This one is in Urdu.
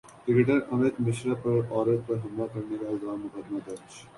کرکٹر امیت مشرا پر عورت پر حملہ کرنے کا الزام مقدمہ درج